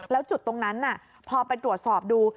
แล้วจุดตรงนั้นพอไปตรวจสอบดู